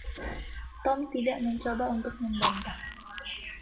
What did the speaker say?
Tom tidak mencoba untuk membantah.